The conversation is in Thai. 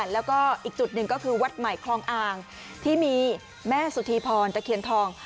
แล้วก็อีกจุดหนึ่งก็คือวัดใหม่คลองอ่างที่มีแม่สุธีพรตะเคียนทอง